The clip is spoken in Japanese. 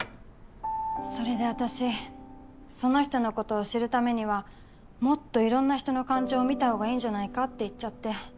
それで私その人のことを知るためにはもっといろんな人の感情を見たほうがいいんじゃないかって言っちゃって。